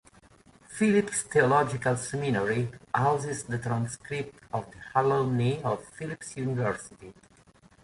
Phillips Theological Seminary houses the transcripts of the alumni of Phillips University.